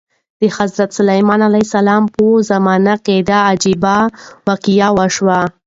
د حضرت سلیمان علیه السلام په زمانه کې دا عجیبه واقعه وشوه.